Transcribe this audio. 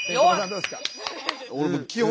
どうですか？